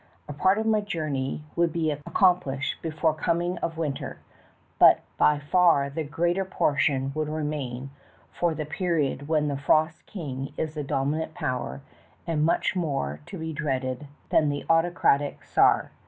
A part of my journey would be 221 222 THE TALKING HANDKERCHIEF. accomplished before the coming of winter, but by far the greater portion would remain for the period when the frost king is the dominant power and much more to be dreaded than the autocratic czar.